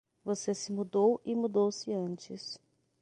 Você se mudou e mudou-se antes.